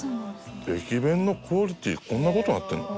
駅弁のクオリティーこんな事になってるの？